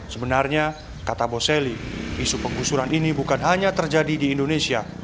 sebenarnya kata boseli isu penggusuran ini bukan hanya terjadi di indonesia